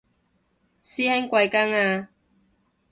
師兄貴庚啊